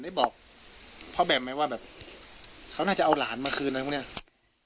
ได้บอกพ่อแบมไหมว่าแบบเขาน่าจะเอาหลานมาคืนอะไรพวกเนี้ย